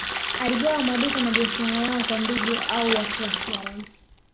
Aligawa maduka na biashara yao kwa ndugu au wafuasi wa rais